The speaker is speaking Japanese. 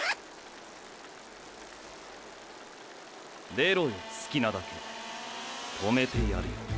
出ろよ好きなだけ。止めてやるよ。